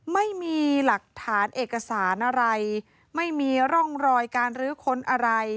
ไม่มีหลักฐานเอกสารอะไรไม่มีร่องรอยการรื้อค้นอะไร